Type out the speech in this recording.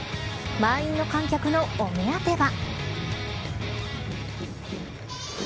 満員の観客のお目当ては。